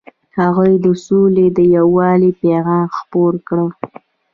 هغوی د سولې او یووالي پیغام خپور کړ.